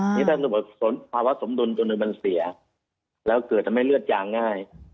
นี่ถ้าสมมุติภาวะสมดุลตัวหนึ่งมันเสียแล้วเกิดทำให้เลือดยางง่าย